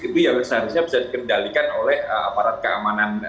itu yang seharusnya bisa dikendalikan oleh aparat keamanan